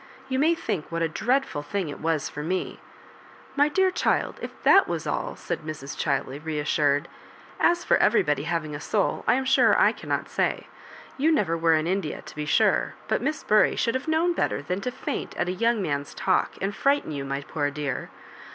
You may think what a dreadful thing it was for me." "My dear chUd, if that was all," said Mre Digitized by VjOOQIC 24 MISS MAJUrOBIBANEB. ChUey, reassured — "ais for everybody having a soul, I am sure I cannot say. You never were in India, to be sure ; but Miss Bury should have known better than to faint at a young man's talk, and frighten you, my poor dear.